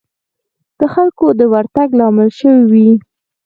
د خلکو د ورتګ لامل شوې وي.